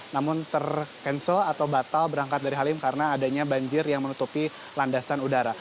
namun ter cancel atau batal berangkat dari halim karena adanya banjir yang menutupi landasan udara